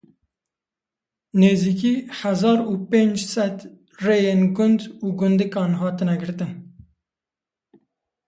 Nêzîkî hezar û pênc sed rêyên gund û gundikan hatine girtin.